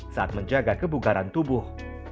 saat menjaga kebukaran tubuh